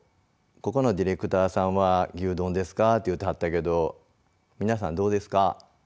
ここのディレクターさんは「牛丼ですか」って言うてはったけどみなさんどうですか？